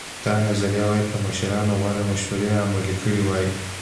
دا نظریه وایي که مشرانو غوره مشورې عملي کړې وای.